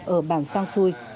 ở bàng sang xui